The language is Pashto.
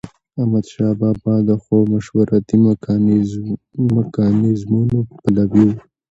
احمدشاه بابا د ښو مشورتي میکانیزمونو پلوي و.